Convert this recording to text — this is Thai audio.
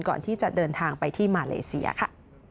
ก่อนที่จะเดินทางไปที่มาเลเซียค่ะ